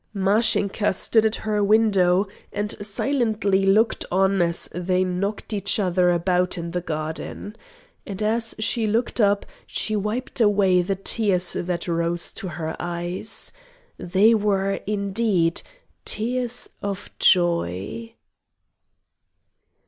Mashinka stood at her window and silently looked on as they knocked each other about in the garden. And as she looked up she wiped away the tears that rose to her eyes. They were indeed tears of joy.